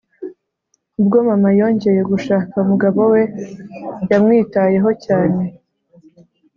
Ubwo mama yongeye gushaka umugabo we yamwitayeho cyane